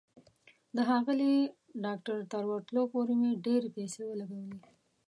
د ښاغلي ډاکټر تر ورتلو پورې مې ډېرې پیسې ولګولې.